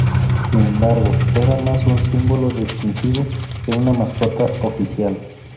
Sin embargo, era más un símbolo distintivo que una mascota oficial.